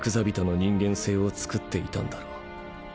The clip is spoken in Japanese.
びとの人間性をつくっていたんだろう。